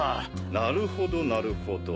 なるほどなるほど。